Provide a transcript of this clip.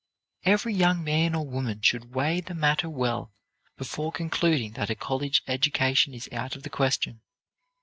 Every young man or woman should weigh the matter well before concluding that a college education is out of the question.